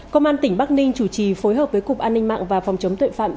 công an tỉnh bắc ninh chủ trì phối hợp với cục an ninh mạng và phòng chống tội phạm